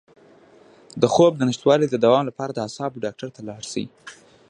د خوب د نشتوالي د دوام لپاره د اعصابو ډاکټر ته لاړ شئ